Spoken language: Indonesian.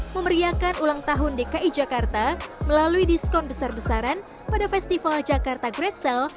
memeriakan ulang tahun dki jakarta melalui diskon besar besaran pada festival jakarta great sale